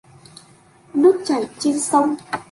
Nước chảy trên sông